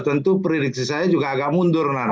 tentu prediksi saya juga agak mundur nana